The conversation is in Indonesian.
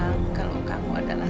jangan terlalu sederhana